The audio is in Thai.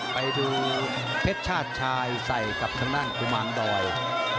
ไปดูเพชรชาติชายใส่กับทางด้านกุมารดอย